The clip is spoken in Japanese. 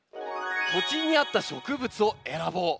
「土地に合った植物を選ぼう」。